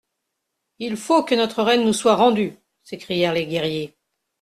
Il faut que notre reine nous soit rendue ! s'écrièrent les guerriers.